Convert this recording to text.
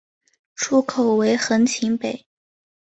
出口为横琴北。